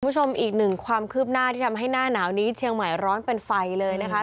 คุณผู้ชมอีกหนึ่งความคืบหน้าที่ทำให้หน้าหนาวนี้เชียงใหม่ร้อนเป็นไฟเลยนะคะ